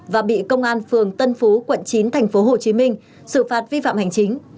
và bị công an phường tân phú quận chín thành phố hồ chí minh xử phạt vi phạm hành chính